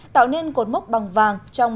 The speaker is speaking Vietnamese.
tạo nên cột mốc bằng vàng